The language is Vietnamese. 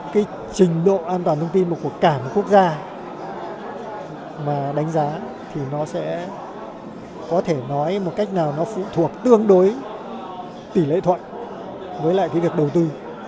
cái trình độ an toàn thông tin của cả một quốc gia mà đánh giá thì nó sẽ có thể nói một cách nào nó phụ thuộc tương đối tỷ lệ thuận với lại cái việc đầu tư